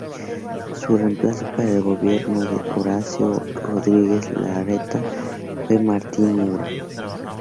Su reemplazo para el gobierno de Horacio Rodríguez Larreta fue Martín Mura.